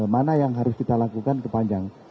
mana yang harus kita lakukan kepanjang